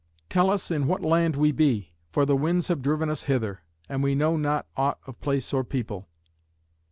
Tell us in what land we be, for the winds have driven us hither, and we know not aught of place or people."